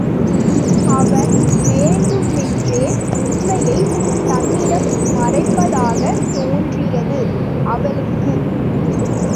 அவன் வேண்டுமென்றே உண்மையைத் தன்னிடம் மறைப்பதாகத் தோன்றியது அவளுக்கு.